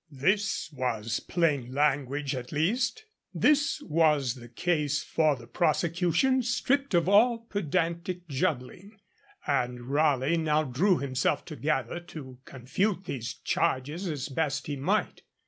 This was plain language, at least; this was the case for the prosecution, stripped of all pedantic juggling; and Raleigh now drew himself together to confute these charges as best he might.